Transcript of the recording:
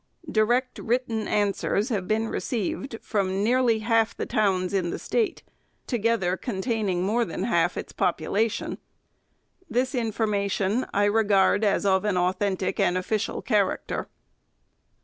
Direct written answers have been received from nearly half the towns in the State, together containing more than half its population. This information I regard as of an au thentic and official character.